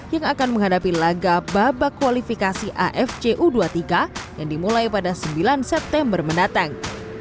yang akan menghadapi laga babak kualifikasi afc u dua puluh tiga yang dimulai pada sembilan september mendatang